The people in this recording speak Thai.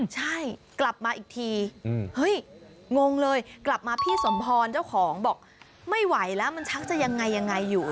ใช่คลับมาอีกทีกลับมาพี่สมพรบอกไม่ไหวแล้วมันไปอย่างไรอยู่